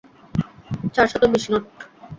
চারশত বিশ নট!